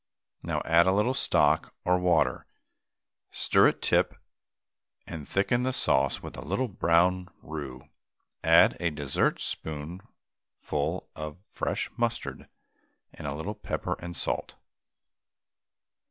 Now add a very little stock or water, stir it tip, and thicken the sauce with a little brown roux. Add a dessertspoonful of fresh mustard and a little pepper and salt.